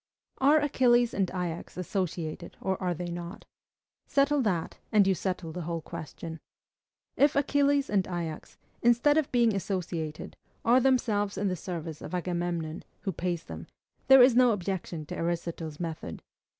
Are Achilles and Ajax associated, or are they not? Settle that, and you settle the whole question. If Achilles and Ajax, instead of being associated, are themselves in the service of Agamemnon who pays them, there is no objection to Aristotle's method.